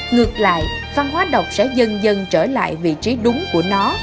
ngược lại văn hóa đọc sẽ dần dần trở lại vị trí đúng của nó